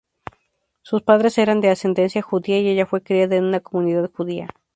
Sus padres eran de ascendencia judía, y ella fue criada en una comunidad judía.